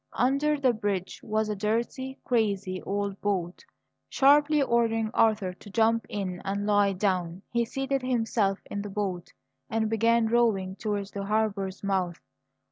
Under the bridge was a dirty, crazy old boat. Sharply ordering Arthur to jump in and lie down, he seated himself in the boat and began rowing towards the harbour's mouth.